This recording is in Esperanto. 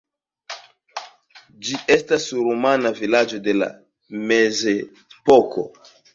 Ĝi estas rumana vilaĝo de la mezepoko.